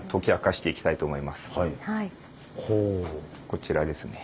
こちらですね。